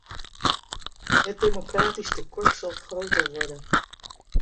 Het democratisch tekort zal groter worden.